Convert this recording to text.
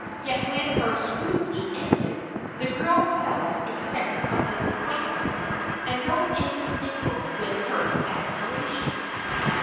Yet when her scrutiny ended, the girl felt a sense of disappointment, and no envy mingled with her admiration.